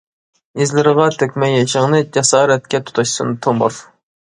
ئىزلىرىغا تۆكمە يېشىڭنى، جاسارەتكە تۇتاشسۇن تومۇر.